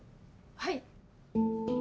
はい。